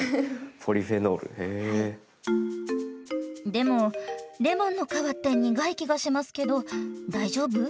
でもレモンの皮って苦い気がしますけど大丈夫？